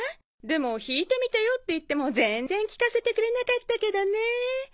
でも弾いてみてよって言っても全然聴かせてくれなかったけどね。